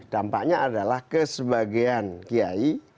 dampaknya adalah ke sebagian kiai